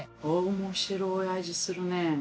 面白い味するね。